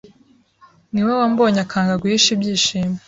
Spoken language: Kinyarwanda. niwe wambonye akanga guhisha ibyishimo.